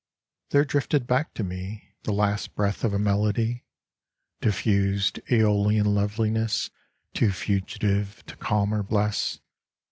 There drifted back to me The last breath of a melody, Diffused iEolian loveliness Too fugitive to calm or bless.